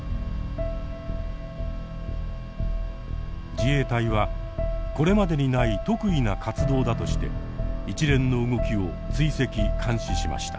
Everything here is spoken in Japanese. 自衛隊はこれまでにない特異な活動だとして一連の動きを追跡監視しました。